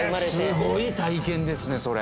すごい体験ですねそれ。